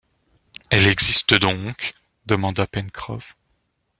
Elle existe donc? demanda Pencroff.